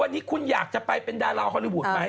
วันนี้คุณอยากจะไปเป็นดาราฮอลลี่วูดไหม